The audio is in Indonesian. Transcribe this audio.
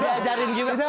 dia ajarin gibran